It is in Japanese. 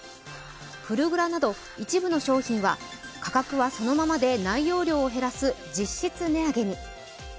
フルグラなど一部の商品は価格はそのままで内容量を減らす実質値上げに。